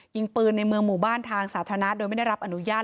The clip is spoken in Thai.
ยิงปืนในเมืองหมู่บ้านทางสาธารณะโดยไม่ได้รับอนุญาต